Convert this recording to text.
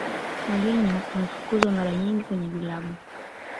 mourinho amefukuzwa mara nyingi kwenye vilabu